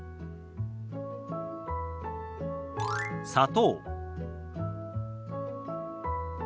「砂糖」。